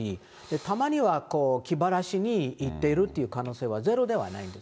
たまにはこう、気晴らしに行っているという可能性はゼロではないんです。